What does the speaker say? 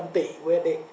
bốn trăm linh tỷ usd